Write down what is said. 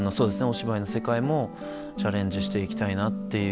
お芝居の世界もチャレンジして行きたいなっていう。